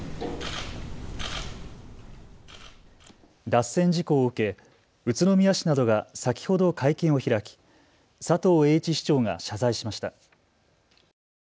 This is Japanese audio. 脱線事故を受け、宇都宮市などが先ほど会見を開き佐藤栄一市長が謝罪しました。